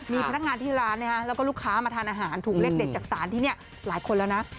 มีพนักงานที่ร้านแล้วก็ลูกค้ามาทานอาหารถูกเลขเด็ดจากสารที่นี่หลายคนแล้วนะ